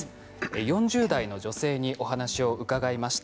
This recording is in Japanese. ４０代の女性にお話を伺いました。